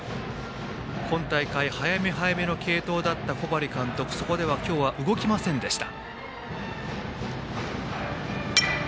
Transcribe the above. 今大会、早め早めの継投だった小針監督、そこでは今日は動きませんでした。